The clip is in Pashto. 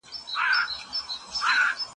زده کوونکي باید یووالی وساتي.